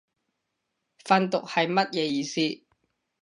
訓讀係乜嘢意思